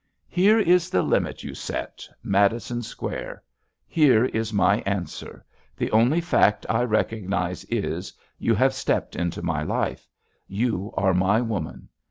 "Here is the limit you set — Madison Square. Here is my answer: The only fact I recognize is, you have stepped into my life; you are my woman.